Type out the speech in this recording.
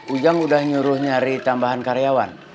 ujang udah nyuruh nyari tambahan karyawan